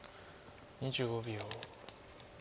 ２５秒。